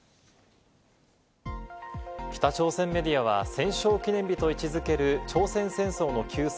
北朝鮮メディアは戦勝記念日と位置付ける朝鮮戦争の休戦